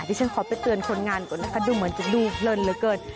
ที่ฉันขอไปเตือนคนงานก่อนนะคะดูเหมือนจะดูเพลินเหลือเกิน